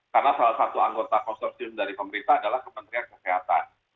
karena salah satu anggota konsorsium dari pemerintah adalah kementerian kesehatan